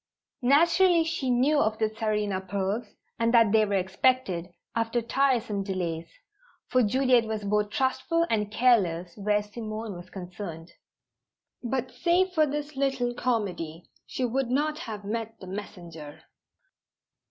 Naturally she knew of the Tsarina pearls, and that they were expected, after tiresome delays; for Juliet was both trustful and careless where Simone was concerned. But, save for this little comedy, she would not have met the messenger.